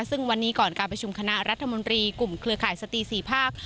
ซึ่งวันนี้ก่อนการประชุมคณะรัฐมนตรีกลุ่มเครือข่ายสตรี๔ภาค